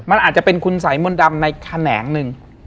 มันอาจจะเป็นคุณสัยมนต์ดำในแขนงหนึ่ง